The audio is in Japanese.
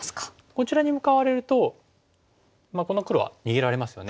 こちらに向かわれるとこの黒は逃げられますよね。